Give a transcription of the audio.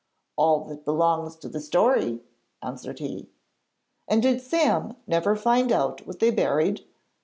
'All that belongs to the story,' answered he. 'And did Sam never find out what they buried?'